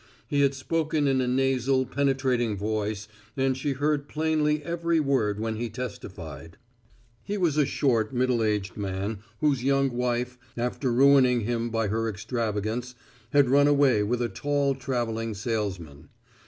He had spoken in a nasal, penetrating voice and she heard plainly every word when he testified. He was a short middle aged man whose young wife, after ruining him by her extravagance, had run away with a tall traveling salesman.